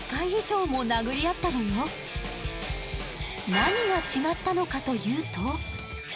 ３０分で何が違ったのかというと。